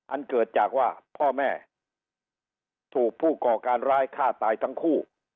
อันเกิดจากว่าพ่อแม่ถูกผู้ก่อการร้ายฆ่าตายทั้งคู่